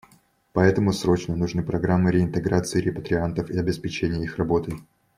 Поэтому срочно нужны программы реинтеграции репатриантов и обеспечения их работой.